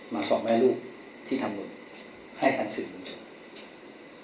มาส่องไว้รูปที่ทำรวจให้การสื่นมุมโชค